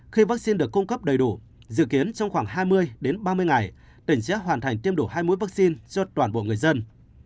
khi vaccine được cung cấp đầy đủ dự kiến trong khoảng hai mươi đến ba mươi ngày tỉnh sẽ hoàn thành tiêm đủ hai mũi vaccine cho toàn bộ người dân